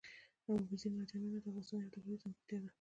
اوبزین معدنونه د افغانستان یوه طبیعي ځانګړتیا ده.